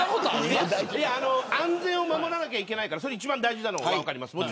安全を守らなければいけないからそれは一番大事なのは分かります。